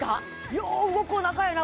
よう動くお腹やな